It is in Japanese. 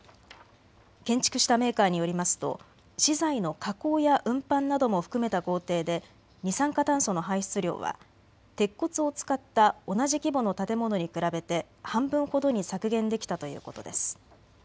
建築したメーカーによりますと資材の加工や運搬なども含めた工程で二酸化炭素の排出量は鉄骨を使った同じ規模の建物に比べて半分ほどに削減できたということです。